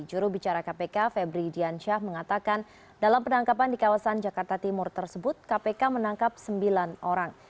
juru bicara kpk febri diansyah mengatakan dalam penangkapan di kawasan jakarta timur tersebut kpk menangkap sembilan orang